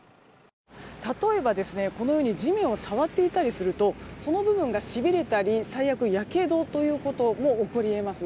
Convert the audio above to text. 例えば、このように地面を触っていたりするとその部分がしびれたり最悪、やけどということも起こり得ます。